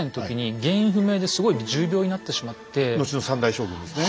後の３代将軍ですね。